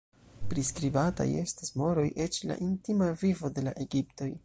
Priskribataj estas moroj, eĉ la intima vivo de la egiptoj.